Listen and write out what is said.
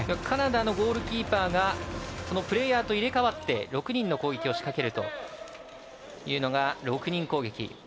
カナダのゴールキーパーがプレーヤーと入れ代わって６人の攻撃を仕掛けるというのが６人攻撃。